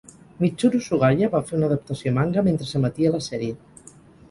Mitsuru Sugaya va fer una adaptació manga mentre s'emetia la sèrie.